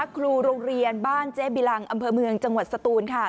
ครูโรงเรียนบ้านเจ๊บิลังอำเภอเมืองจังหวัดสตูนค่ะ